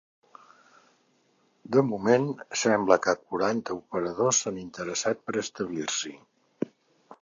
De moment, sembla que quaranta operadors s’han interessat per establir-s’hi.